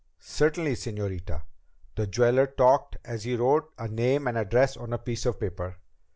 "Certainly, señorita." The jeweler talked as he wrote a name and address on a piece of paper.